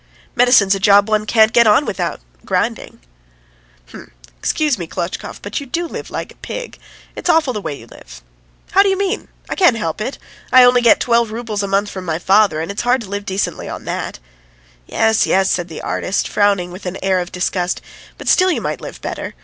"Medicine's a job one can't get on with without grinding." "H'm! ... Excuse me, Klotchkov, but you do live like a pig! It's awful the way you live!" "How do you mean? I can't help it. ... I only get twelve roubles a month from my father, and it's hard to live decently on that." "Yes ... yes ..." said the artist, frowning with an air of disgust; "but, still, you might live better.